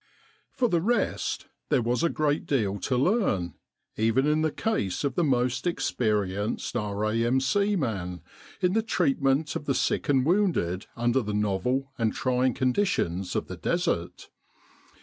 For the rest, there was a great deal to learn, even in the case of the most experienced R.A.M.C. man, in the treatment of the sick and wounded under the novel and trying conditions of the Desert.